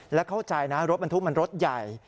และเข้าใจนะรถบรรทุกมันรถใหญ่